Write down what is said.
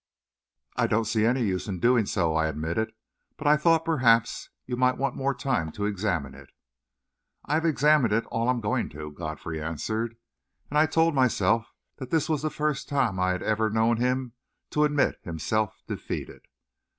"I don't see any use in doing so," I admitted, "but I thought perhaps you might want more time to examine it." "I've examined it all I'm going to," Godfrey answered, and I told myself that this was the first time I had ever known him to admit himself defeated.